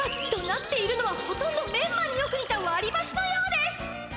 なっているのはほとんどメンマによくにたわりばしのようです！